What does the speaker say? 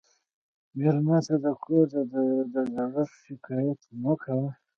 مېلمه ته د کور د زړښت شکایت مه کوه.